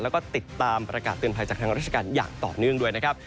แล้วก็ติดตามประกาศเตือนภัยจากทางราชการอย่างต่อเนื่องด้วยนะครับ